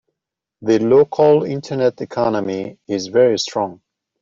The local internet economy is very strong.